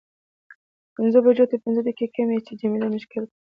پنځو بجو ته پنځه دقیقې کمې وې چې جميله مې ښکل کړه.